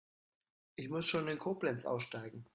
Ich muss schon in Koblenz aussteigen